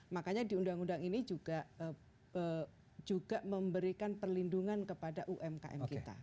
makanya di undang undang ini juga memberikan perlindungan kepada umkm kita